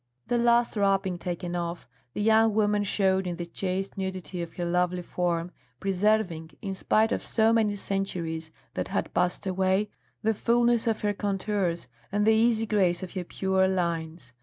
The last wrapping taken off, the young woman showed in the chaste nudity of her lovely form, preserving, in spite of so many centuries that had passed away, the fulness of her contours, and the easy grace of her pure lines.